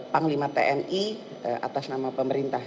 panglima tni atas nama pemerintah